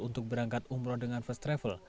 untuk berangkat umroh dengan first travel